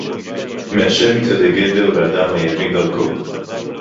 מֵיְהוָ֥ה מִצְעֲדֵי־גָ֑בֶר וְ֝אָדָ֗ם מַה־יָּבִ֥ין דַּרְכּֽוֹ׃